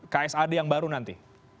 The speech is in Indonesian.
ksad yang baru nanti